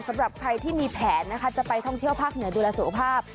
สำหรับใครที่มีแผนนะคะจะไปท่องเที่ยวภาคเหนือดูแลสุขภาพ